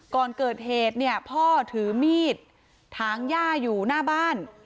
ก่อนเกิดเหตุเนี่ยพ่อถือมีดถางย่าอยู่หน้าบ้าน